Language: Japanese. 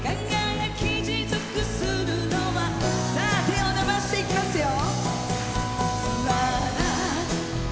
手を伸ばしていきますよ。